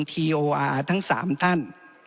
ทีโออาร์ทั้ง๓ท่าน